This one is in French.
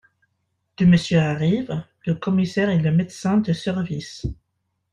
Deux messieurs arrivent, le commissaire et le médecin de service.